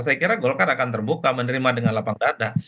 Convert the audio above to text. saya kira golkar akan terbuka menerima dengan lapang dada